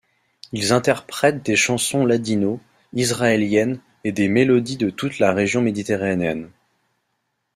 Ils interprètent des chansons ladino, israéliennes et des mélodies de toute la région méditerranéenne.